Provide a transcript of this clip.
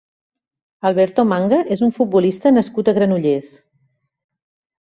Alberto Manga és un futbolista nascut a Granollers.